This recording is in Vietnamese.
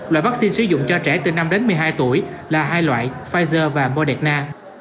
loại vaccine sử dụng cho trẻ từ năm đến một mươi hai tuổi là hai loại pfizer và moderna